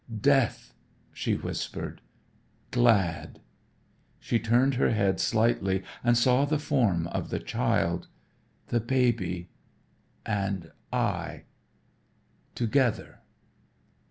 "Death," she whispered. "Glad." She turned her head slightly and saw the form of the child. "The Baby and I together."